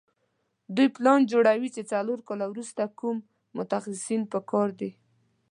دوی پلان جوړوي چې څلور کاله وروسته کوم متخصصین په کار دي.